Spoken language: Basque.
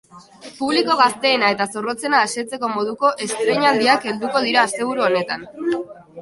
Publiko gazteena eta zorrotzena asetzeko moduko estreinaldiak helduko dira asteburu honetan.